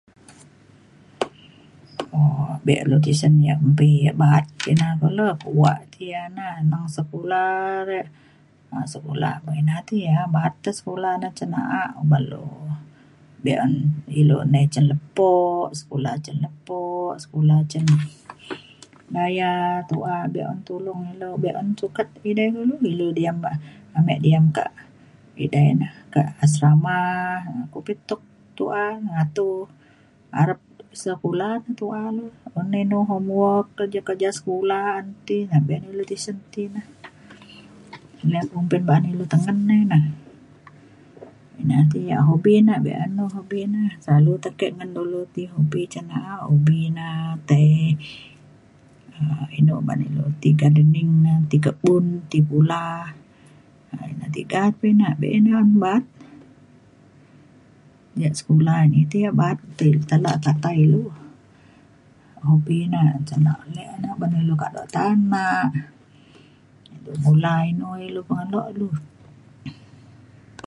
um be' le tesen ya' empi ya' ba'at kina kulu kuak ti ya na. neng sekula re um sekula ina te ya ba'at te sekula na cen na'a uban lu be'un ilu nai cen lepo sekula cen lepo sekula cen daya tu'a be'un tulung ilu be'un sukat edai kulu ilu diam ka amik diam ka' edai ne ke asrama kupit tuk tu'a ngatu arep sekula na tua un inu homework kerja kerja sekula ti ne be'un ilu tisen ti ne ley kumpin ba'an ilu tengen ne ina. ina te' ya hobi na be'un hobi na selalu tekik ngan dulu ti hobi cen na'a ubi ne tai um inu ba'an ilu tiga dening ne ti kebun ti pula ina um tiga pe ina be'un ba'at ya' sekula in ti ya ba'at ti teluk tata ilu hobi ne cen alik ne oban ilu kaduk tanak ilu mula inu pengeluk ilu